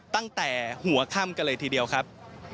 ตั้งแต่หัวค่ำกันเลยทีเดียวครับ